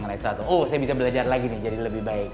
oh saya bisa belajar lagi nih jadi lebih baik